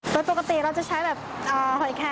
ปลอดภัย